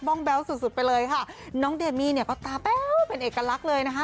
้องแบ๊วสุดสุดไปเลยค่ะน้องเดมี่เนี่ยก็ตาแบ๊วเป็นเอกลักษณ์เลยนะคะ